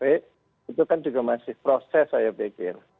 itu kan juga masih proses saya pikir